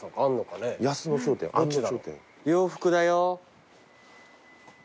「洋服だよっ。